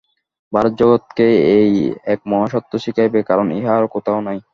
ভারত জগৎকে এই এক মহাসত্য শিখাইবে, কারণ ইহা আর কোথাও নাই।